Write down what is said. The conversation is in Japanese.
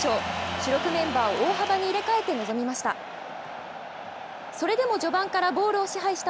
主力メンバーを大幅に入れ替えて臨みました。